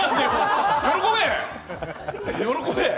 喜べ。